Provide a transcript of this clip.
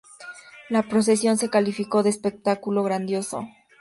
La procesión se calificó de espectáculo grandioso.